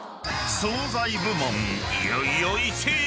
［総菜部門いよいよ１位！］